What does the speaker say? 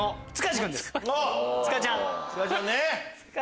塚ちゃん。